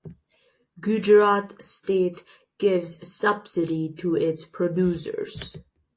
Gujarat state gives subsidy to its producers.